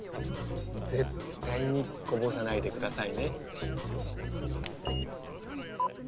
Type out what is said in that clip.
絶対にこぼさないでくださいね。